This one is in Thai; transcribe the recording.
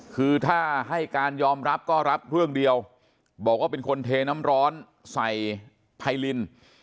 คือถ้าให้การยอมรับก็รับเรื่องเดียวบอกว่าเป็นคนเทน้ำร้อนใส่ไพลิน